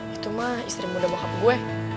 itu mah istri muda bokap gue